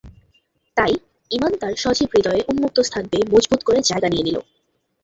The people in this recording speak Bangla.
তাই ঈমান তাঁর সজীব হৃদয়ে উম্মুক্ত স্থান পেয়ে মজবুত করে জায়গা নিয়ে নিল।